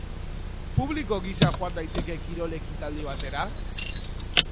Publiko gisa joan naiteke kirol-ekitaldi batera?